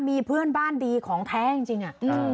มีเพื่อนบ้านดีของแท้จริงอ่ะ